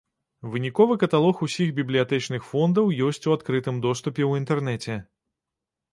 Выніковы каталог усіх бібліятэчных фондаў ёсць у адкрытым доступе ў інтэрнэце.